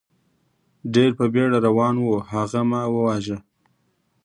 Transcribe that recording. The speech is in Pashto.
ډېر په بېړه روان و، هغه ما و واژه.